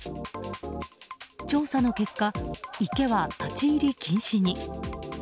調査の結果、池は立ち入り禁止に。